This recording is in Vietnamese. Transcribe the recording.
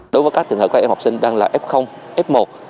đối với các trường hợp các em học sinh đang là f f một